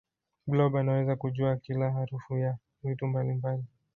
blob anaweza kujua kila harufu ya vitu mbalimbali